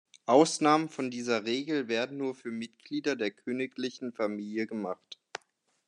Ausnahmen von dieser Regel werden nur für Mitglieder der königlichen Familie gemacht.